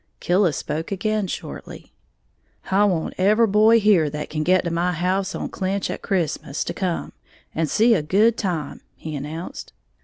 Killis spoke again shortly. "I want every boy here that can get to my house on Clinch a Christmas to come, and see a good time," he announced.